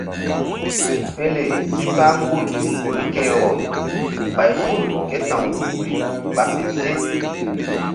Pele si kpah gul mí ke vbol bay hul ké ta̧w nzukri ɓa fe se.